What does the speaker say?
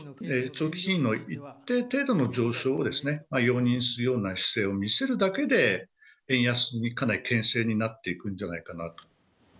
長期金利の一定程度の上昇を容認するような姿勢を見せるだけで、円安にかなりけん制になっていくんじゃないかなと。